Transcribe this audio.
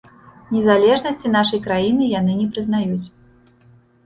Незалежнасці нашай краіны яны не прызнаюць.